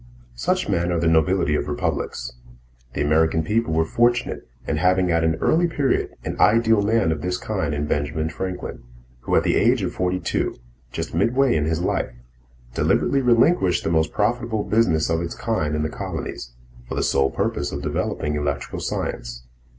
Such men are the nobility of republics. The American people were fortunate in having at an early period an ideal man of this kind in Benjamin Franklin, who, at the age of forty two, just mid way in his life, deliberately relinquished the most profitable business of its kind in the colonies for the sole purpose of developing electrical science.